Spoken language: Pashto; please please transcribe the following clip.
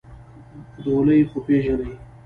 ډولۍ خو پېژنې؟